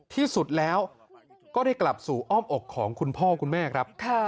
ที่สุดแล้วก็ได้กลับสู่อ้อมอกของคุณพ่อคุณแม่ครับ